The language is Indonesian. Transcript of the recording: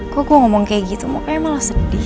kok gue ngomong kayak gitu makanya malah sedih